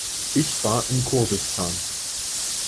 Ich war in Kurdistan.